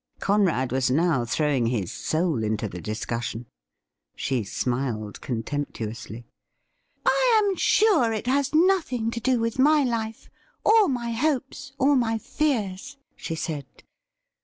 Conrad was now throwing his soul into the discussion. JIM'S NEW ACQUAINTANCES 25 She smiled contemptuously. ' I am sure it has nothing to do with my life, or my hopes, or my fears,' she said.